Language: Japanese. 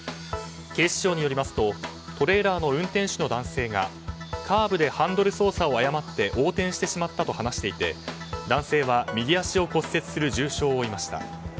警視庁によりますとトレーラーの運転手の男性がカーブでハンドル操作を誤って横転してしまったと話していて男性は右足を骨折する重傷を負いました。